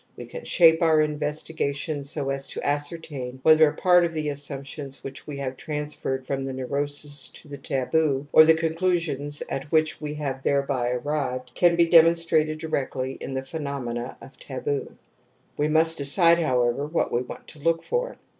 We can shape our investigation so as to ascer tain whether a part of the assumptions which we have transferred from the neiu'osis to the taboo, or the conclusions at which we have thereby arrived can be demonstrated directly in the phenomena of taboo. We must decide, however, what we want to look for.